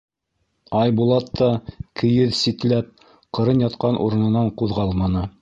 Айбулат та кейеҙ ситләп ҡырын ятҡан урынынан ҡуҙғалманы.